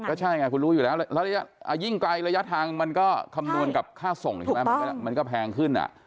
ก็ใช่ไงคุณรู้อยู่แล้วระยะยิ่งไกลระยะทางมันก็คำนวณกับค่าส่งใช่ไหมมันก็แพงขึ้น